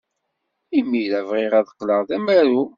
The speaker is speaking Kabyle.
Imir-a, bɣiɣ ad qqleɣ d amaru.